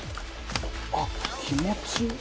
あっ気持ちいい。